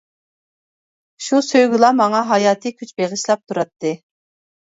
شۇ سۆيگۈلا ماڭا ھاياتى كۈچ بېغىشلاپ تۇراتتى.